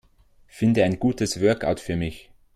Finde ein gutes Workout für mich.